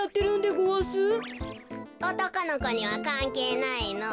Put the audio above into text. おとこのこにはかんけいないの。